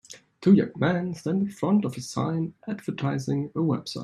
Two young men stand in front of a sign advertising a website.